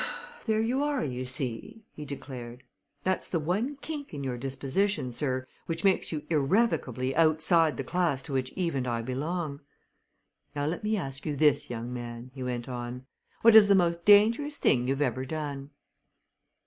"There you are, you see!" he declared. "That's the one kink in your disposition, sir, which places you irrevocably outside the class to which Eve and I belong. Now let me ask you this, young man," he went on: "What is the most dangerous thing you've ever done?"